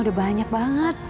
sudah banyak banget